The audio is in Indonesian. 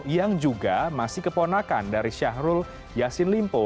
yang juga masih keponakan dari syahrul yassin limpo